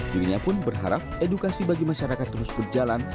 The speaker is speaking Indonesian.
dirinya pun berharap edukasi bagi masyarakat terus berjalan